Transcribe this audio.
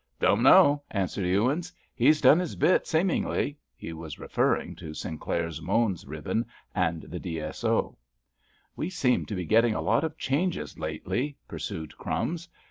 "Don't know," answered Ewins. "He's done his bit, seemingly." He was referring to Sinclair's Mons ribbon and the D.S.O. "We seem to be getting a lot of changes lately," pursued "Crumbs."